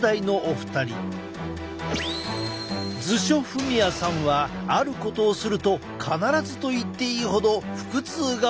図所郁弥さんはあることをすると必ずと言っていいほど腹痛が起きるという。